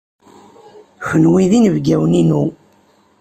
Kenwi d inebgiwen-inu.